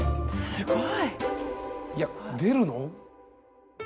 すごい。いや出るの？